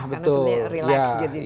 karena sebenarnya relax jadinya